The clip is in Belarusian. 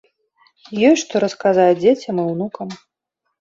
Ёсць што расказаць дзецям і ўнукам.